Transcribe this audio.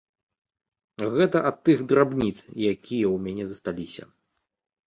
Гэта ад тых драбніц, якія ў мяне засталіся.